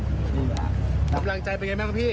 กำลังใจเป็นไงแม่งพี่